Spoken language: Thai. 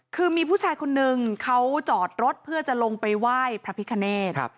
คือมีผู้ชายคนนึงเขาจอดรถเพื่อจะลงไปไหว้พระพิคเนธ